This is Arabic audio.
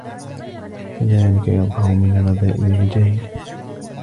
كَذَلِكَ يَظْهَرُ مِنْ رَذَائِلِ الْجَاهِلِ